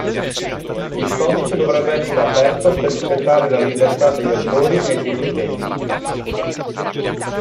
Il codice dovrebbe essere aperto per rispettare la libertà degli autori e degli utenti.